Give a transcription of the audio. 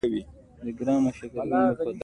ژوند په ټوکو نه کېږي. راسره ويې منه که خوښه دې وي.